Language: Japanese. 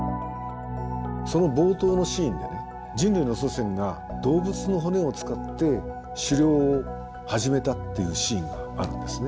その冒頭のシーンで人類の祖先が動物の骨を使って狩猟を始めたっていうシーンがあるんですね。